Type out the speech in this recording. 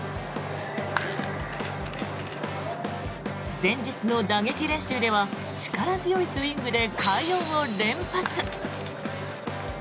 前日の打撃練習では力強いスイングで快音を連発。